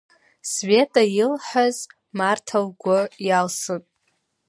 Света илҳәаз Марҭа лгәы иалсын…